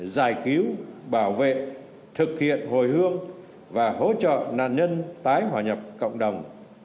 giải cứu bảo vệ thực hiện hồi hương và hỗ trợ nạn nhân tái hòa nhập cộng đồng